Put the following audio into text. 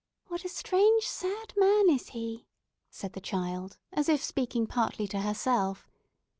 "What a strange, sad man is he!" said the child, as if speaking partly to herself.